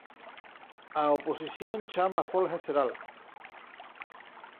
A oposición chama á folga xeral.